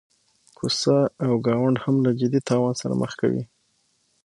کوڅه او ګاونډ هم له جدي تاوان سره مخ کوي.